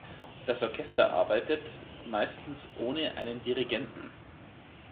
Das Orchester arbeitet meistens ohne einen Dirigenten.